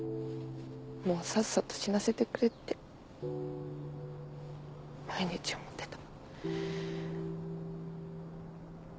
もうさっさと死なせてくれって毎日思ってた。